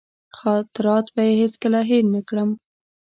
خاطرات به یې هېڅکله هېر نه کړم.